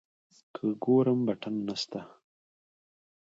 که ګورم بټن نسته.